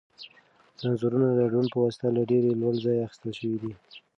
دا انځورونه د ډرون په واسطه له ډېر لوړ ځایه اخیستل شوي دي.